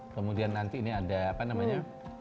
kemudian nanti ini ada apa namanya